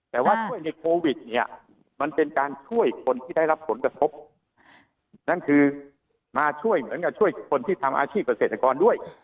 แต่ว่าช่วยในโควิดเนี่ยมันเป็นการช่วยคนที่ได้รับผลกระทบนั่นคือมาช่วยเหมือนกับช่วยคนที่ทำอาชีพเกษตรกรด้วย